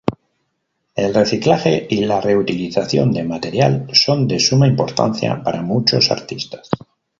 El reciclaje y la reutilización de material son de suma importancia para muchos artistas.